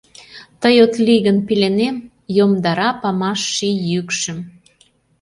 Тый от лий гын пеленем, Йомдара памаш ший йӱкшым.